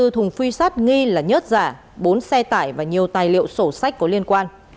một trăm ba mươi bốn thùng phi sát nghi là nhất giả bốn xe tải và nhiều tài liệu sổ sách có liên quan